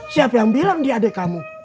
siapa yang bilang di adik kamu